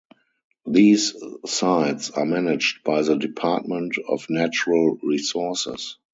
These sites are managed by the Department of Natural Resources.